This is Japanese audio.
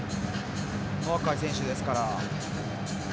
若い選手ですから。